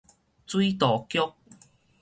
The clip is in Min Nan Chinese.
水道局